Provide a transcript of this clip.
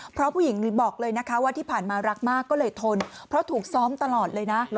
เพราะผู้หญิงบอกเลยนะคะว่าที่ผ่านมารักมากก็เลยทนเพราะถูกซ้อมตลอดเลยนะ